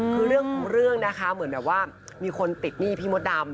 คือเรื่องนะคะเหมือนแบบว่ามีคนติดหนี้พี่มดดำ